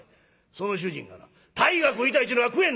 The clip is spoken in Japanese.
その主人がな鯛が食いたいちゅうのが食えんのか！」。